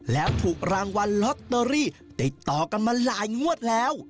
แล้วถูกรางวัลลอตเตอรี่ติดต่อกันมาหลายงวดแล้ว